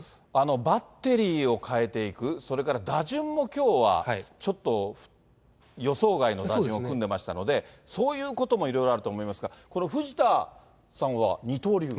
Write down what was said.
バッテリーを代えていく、それから打順もきょうはちょっと予想外の打順を組んでましたので、そういうこともいろいろあると思いますが、この藤田さんは二刀流。